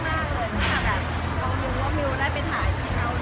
เราก็จะแบบดูอยากได้ลายเซ็นต์